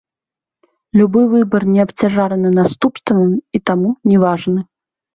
Любы выбар не абцяжараны наступствамі, а таму не важны.